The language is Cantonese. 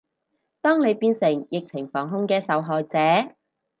當你變成疫情防控嘅受害者